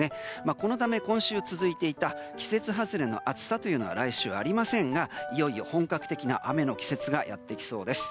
このため、今週続いていた季節外れの暑さが来週はありませんがいよいよ本格的な雨の季節がやってきそうです。